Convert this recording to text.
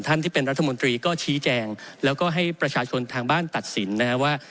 ที่เป็นรัฐมนตรีก็ชี้แจงแล้วก็ให้ประชาชนทางบ้านตัดสินนะฮะว่า